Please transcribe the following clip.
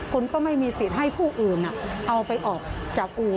คุณก็ไม่มีสิทธิ์ให้ผู้อื่นเอาไปออกจากอู่